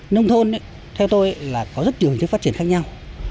nông thôn theo tôi là có rất nhiều phát triển khác nhau